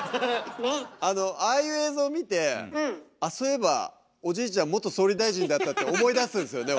あのああいう映像見てあっそういえばおじいちゃん元総理大臣だったって思い出すんすよね